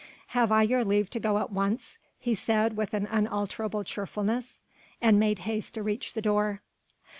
"Have I your leave to go at once?" he said with unalterable cheerfulness and made haste to reach the door.